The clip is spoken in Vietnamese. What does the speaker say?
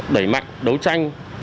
đẩy mạnh đấu tranh